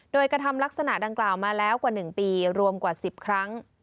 โดยกระทำลักษณะดังกล่าวมาแล้วกว่า๑ปีรวมกว่า๑๐ครั้ง